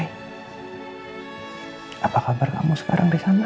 eh apa kabar kamu sekarang rizana